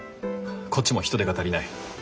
こっちも人手が足りない。